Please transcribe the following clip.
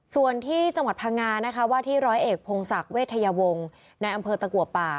ส่วนที่จังหวัดพังงานะคะว่าที่ร้อยเอกพงศักดิ์เวทยาวงศ์ในอำเภอตะกัวป่า